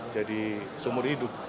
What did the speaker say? jadi sumur hidup